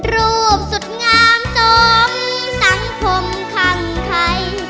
รูปสุดงามสมสังคมคังไข่